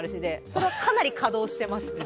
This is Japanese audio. それはかなり稼働してますね。